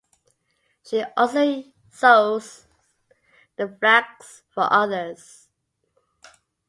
She also sews the flags for others.